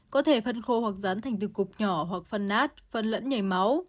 có thể phân khô hoặc dán thành từ cục nhỏ hoặc phân nát phân lẫn nhảy máu